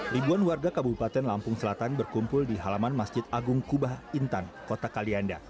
ribuan warga kabupaten lampung selatan berkumpul di halaman masjid agung kubah intan kota kalianda